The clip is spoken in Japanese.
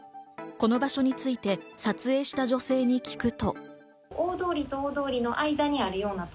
この場所について撮影した女性に聞くと。